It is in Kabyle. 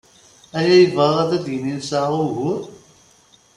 Aya yebɣa ad d-yini nesɛa ugur?